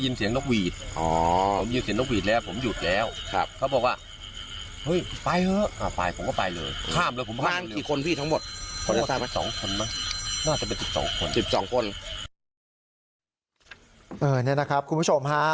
นี่นะครับคุณผู้ชมฮะ